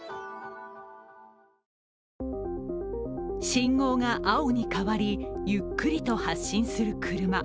信号が青に変わり、ゆっくりと発進する車。